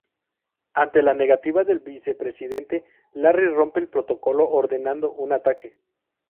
Ante la negativa del Vicepresidente, Larry rompe el protocolo ordenando un ataque.